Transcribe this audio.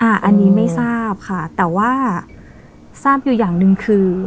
อันนี้ไม่ทราบค่ะแต่ว่าทราบอยู่อย่างหนึ่งคือ